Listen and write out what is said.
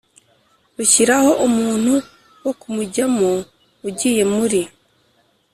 rushyiraho umuntu wo kuwujyamo Ugiye muri